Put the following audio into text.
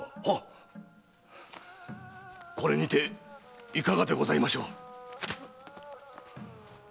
はっこれにていかがでございましょう。